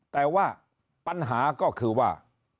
แต่ว่าปัญหาก็คือว่า